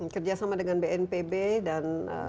kerjasama dengan bnpb dan resmi lain